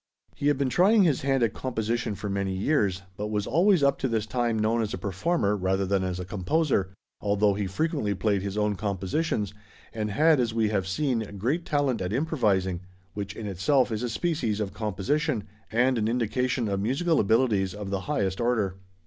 He had been trying his hand at composition for many years, but was always up to this time known as a performer rather than as a composer, although he frequently played his own compositions, and had as we have seen, great talent at improvising, which in itself is a species of composition, and an indication of musical abilities of the highest order.